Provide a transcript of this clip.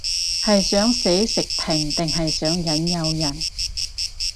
係想寫食評定係想引誘人